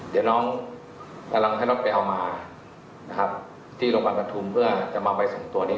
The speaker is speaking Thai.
เดี๋ยวน้องกำลังให้รถไปเอามานะครับที่โรงพยาบาลประทุมเพื่อจะมาเอาใบส่งตัวนี้